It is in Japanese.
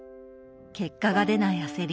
結果が出ない焦り